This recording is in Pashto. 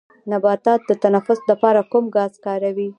نباتات د تنفس لپاره کوم ګاز کاروي